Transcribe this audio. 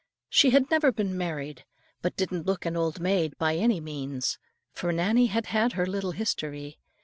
She had never been married, but didn't look an old maid by any means. For Nannie had had her little history.